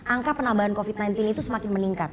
angka penambahan covid sembilan belas itu semakin meningkat